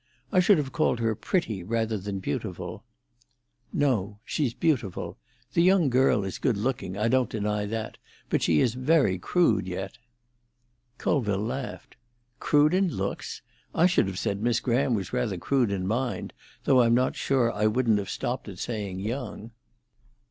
I should have called her pretty rather than beautiful." "No; she's beautiful. The young girl is good looking—I don't deny that; but she is very crude yet." Colville laughed. "Crude in looks? I should have said Miss Graham was rather crude in mind, though I'm not sure I wouldn't have stopped at saying young."